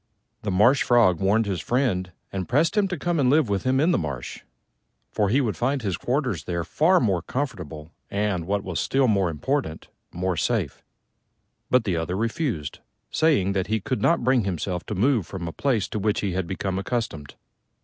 The Marsh Frog warned his friend and pressed him to come and live with him in the marsh, for he would find his quarters there far more comfortable and what was still more important more safe. But the other refused, saying that he could not bring himself to move from a place to which he had become accustomed.